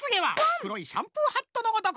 黒いシャンプーハットのごとく！